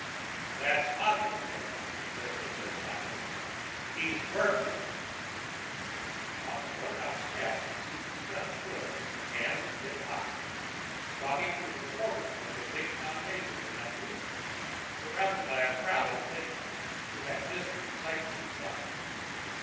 "That's obvious, gentlemen," the senator said flatly. "He's vermin." On the courthouse steps Cecil Stump stood, hands in hip pockets, talking to a reporter from the big town paper in Mattoon, surrounded by a crowd of late comers who had missed the excitement inside.